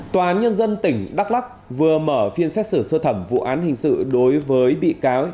tòa án nhân dân tỉnh đắk lắc vừa mở phiên xét xử sơ thẩm vụ án hình sự đối với bị cáo